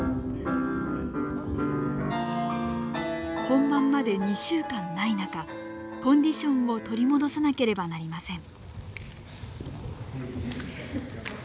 本番まで２週間ない中コンディションを取り戻さなければなりません。